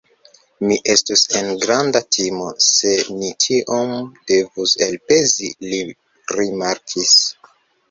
Mi estus en granda timo, se ni tiom devus elspezi, li rimarkis.